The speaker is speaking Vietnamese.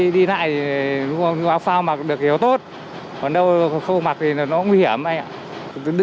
đi lại thì áo phao mặc được hiểu tốt còn đâu không mặc thì nó nguy hiểm anh ạ